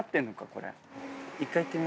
これ。